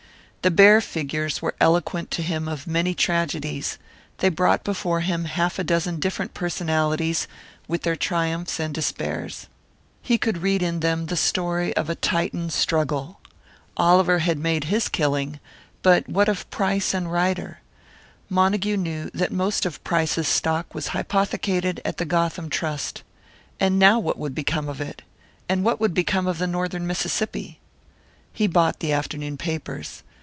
The bare figures were eloquent to him of many tragedies; they brought before him half a dozen different personalities, with their triumphs and despairs. He could read in them the story of a Titan struggle. Oliver had made his killing; but what of Price and Ryder? Montague knew that most of Price's stock was hypothecated at the Gotham Trust. And now what would become of it? And what would become of the Northern Mississippi? He bought the afternoon papers.